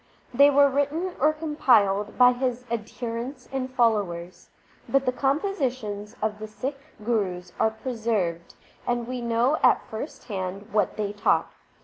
They were written or compiled by his adherents and followers. But the compositions of the Sikh Gurus are preserved, and we know at first hand what they taught.